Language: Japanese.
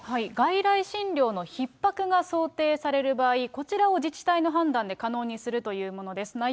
外来診療のひっ迫が想定される場合、こちらを自治体の判断で可能にするというものです。